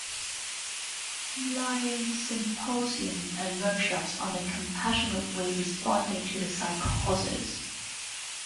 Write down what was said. Laing Symposium and workshops on compassionately responding to psychosis.